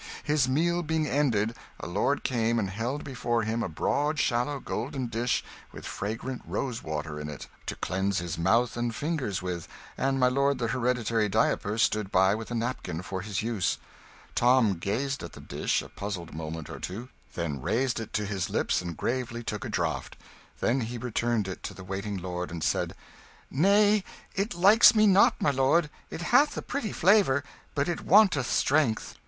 His meal being ended, a lord came and held before him a broad, shallow, golden dish with fragrant rosewater in it, to cleanse his mouth and fingers with; and my lord the Hereditary Diaperer stood by with a napkin for his use. Tom gazed at the dish a puzzled moment or two, then raised it to his lips, and gravely took a draught. Then he returned it to the waiting lord, and said "Nay, it likes me not, my lord: it hath a pretty flavour, but it wanteth strength."